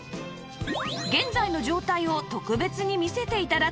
現在の状態を特別に見せて頂くと